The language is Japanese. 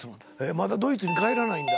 まだドイツに帰らないんだ。